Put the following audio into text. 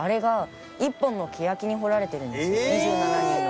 ２７人の。